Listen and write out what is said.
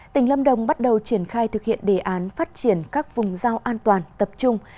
tỉnh lâm đồng bắt đầu triển khai thực hiện đề án phát triển các vùng giao an toàn tập trung